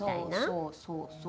そうそうそうそう。